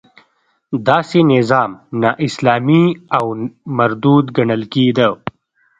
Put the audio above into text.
داسې نظام نا اسلامي او مردود ګڼل کېده.